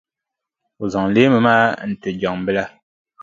O zaŋ leemu maa n-ti Jaŋʼ bila.